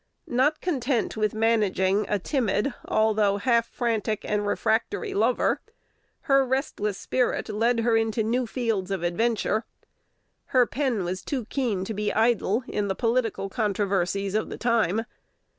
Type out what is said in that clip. Not content with managing a timid, although half frantic and refractory, lover, her restless spirit led her into new fields of adventure. Her pen was too keen to be idle in the political controversies of the time.